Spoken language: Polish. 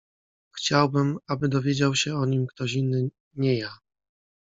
"Chciałbym aby dowiedział się o nim ktoś inny, nie ja."